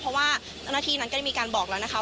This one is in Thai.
เพราะว่าเจ้าหน้าที่นั้นก็ได้มีการบอกแล้วนะคะ